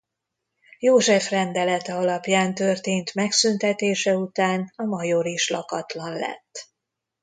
József rendelete alapján történt megszüntetése után a major is lakatlan lett.